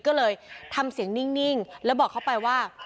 ก็เลยทำเสียงนิ่งแล้วบอกเขาไปว่า